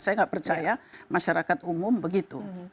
saya nggak percaya masyarakat umum begitu